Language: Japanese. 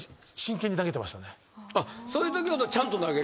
そういうときほどちゃんと投げる。